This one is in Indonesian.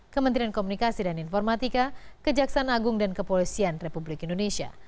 kementerian komunikasi dan informatika kejaksaan agung dan kepolisian republik indonesia